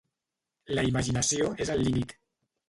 La imaginació és el límit.